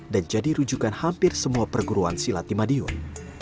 dan jadi rujukan hampir semua perguruan silat di madiun